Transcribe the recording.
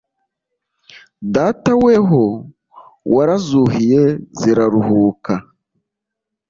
Data weho warazuhiye ziraruhuka